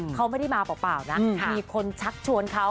เขาไม่ได้มาเปล่านะมีคนชักชวนเขา